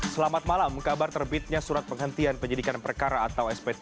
selamat malam kabar terbitnya surat penghentian penyidikan perkara atau sp tiga